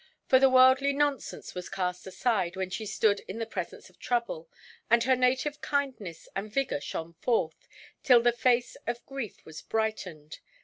For the worldly nonsense was cast aside when she stood in the presence of trouble, and her native kindness and vigour shone forth, till the face of grief was brightened.